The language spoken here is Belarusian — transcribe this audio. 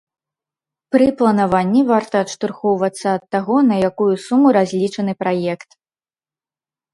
Пры планаванні варта адштурхоўвацца ад таго, на якую суму разлічаны праект.